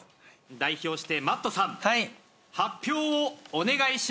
代表してＭａｔｔさん発表をお願いします。